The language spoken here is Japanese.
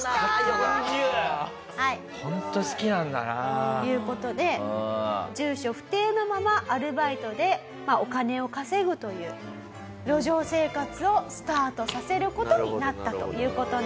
４０！？という事で住所不定のままアルバイトでお金を稼ぐという路上生活をスタートさせる事になったという事なんです。